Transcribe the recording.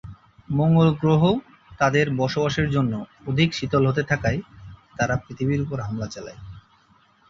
মঙ্গল গ্রহ তাদের বসবাসের জন্য অধিক শীতল হতে থাকায় তারা পৃথিবীর ওপর হামলা চালায়।